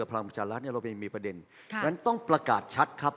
พลังประชารัฐเนี่ยเรายังมีประเด็นนั้นต้องประกาศชัดครับ